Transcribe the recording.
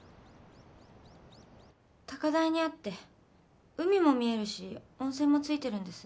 高台にあって海も見えるし温泉もついてるんです。